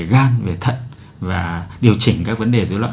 gan về thận và điều chỉnh các vấn đề rối loạn